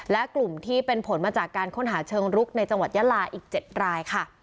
และกลุ่มที่เป็นผลมาจากการค้นหาเชิงรุกในจังหวัดยาลาอีก๗รายค่ะ